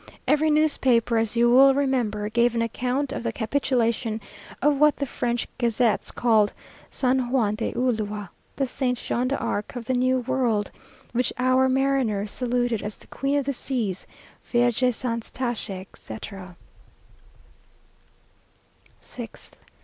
Every newspaper, as you will remember, gave an account of the capitulation of what the French gazettes called "San Juan de Ulua, the St. Jean d'Acre of the new world, which our mariners saluted as the Queen of the Seas, vierge sans tache," etc. 6th.